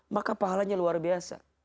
maka pahalanya luar biasa